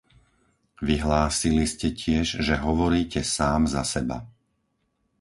Vyhlásili ste tiež, že hovoríte sám za seba.